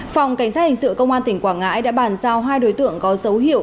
phòng cảnh sát hình sự công an tỉnh quảng ngãi đã bàn giao hai đối tượng có dấu hiệu